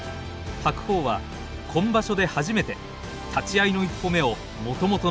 白鵬は今場所で初めて立ち合いの１歩目をもともとの左足に。